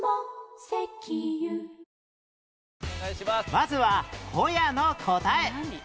まずはホヤの答え